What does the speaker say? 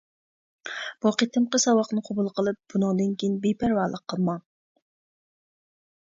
بۇ قېتىمقى ساۋاقنى قوبۇل قىلىپ، بۇنىڭدىن كېيىن بىپەرۋالىق قىلماڭ.